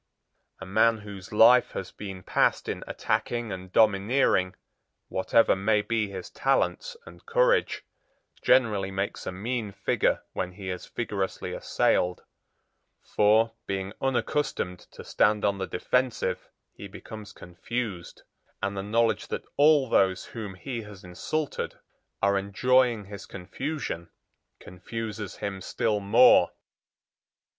A man whose life has been passed in attacking and domineering, whatever may be his talents and courage, generally makes a mean figure when he is vigorously assailed, for, being unaccustomed to stand on the defensive, he becomes confused; and the knowledge that all those whom he has insulted are enjoying his confusion confuses him still more.